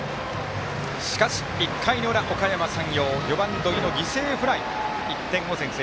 しかし、１回の裏、おかやま山陽４番、土井の犠牲フライで１点先制。